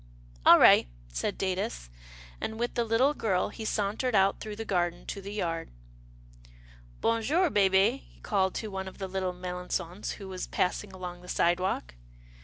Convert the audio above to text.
All right," said Datus, and, with the little girl, he sauntered out through the garden to the yard. Bon jour, hehe," he called to one of the little Melangons who was passing along the sidewalk.